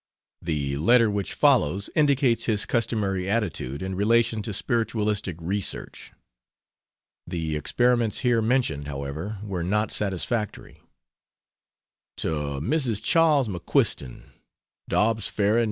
The letter which follows indicates his customary attitude in relation to spiritualistic research. The experiments here mentioned, however, were not satisfactory. To Mrs. Charles McQuiston: DOBBS FERRY, N.